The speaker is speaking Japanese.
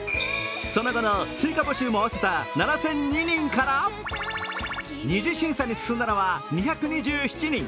その後の追加募集も合わせた７００２人から２次審査に進んだのは２２７人。